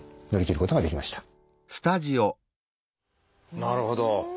なるほど。